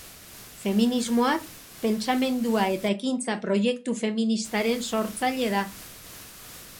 Feminismoak, pentsamendua eta ekintza proiektu feministaren sortzaile da.